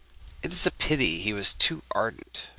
'It is a pity he was too ardent.